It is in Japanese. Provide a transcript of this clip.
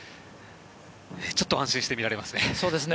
ちょっと安心して見られますね。